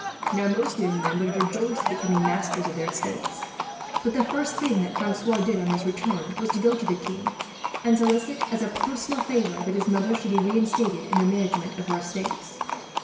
Now most young men would have rejoiced at becoming masters of their estates; but the first thing that Francois did, on his return, was to go to the king and solicit, as a personal favour, that his mother should be reinstated in the management of her estates.